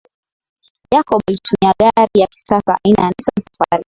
Jacob alitumia gari ya kisasa aina ya Nissani safari